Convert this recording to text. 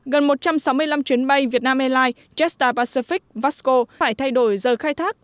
gần một trăm sáu mươi năm chuyến bay vn airlines chester pacific vasco phải thay đổi giờ khai thác